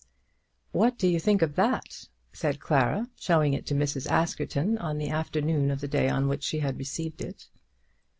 "What do you think of that?" said Clara, showing it to Mrs. Askerton on the afternoon of the day on which she had received it.